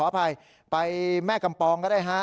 อภัยไปแม่กำปองก็ได้ฮะ